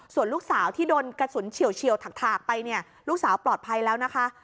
ส่วนลูกสาวที่โดนกระสุนเฉียวถากไปเนี่ยลูกสาวปลอดภัยแล้วนะคะ